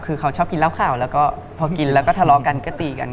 คือเขาชอบกินเหล้าขาวแล้วก็พอกินแล้วก็ทะเลาะกันก็ตีกัน